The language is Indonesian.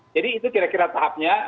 jadi itu kira kira tahapnya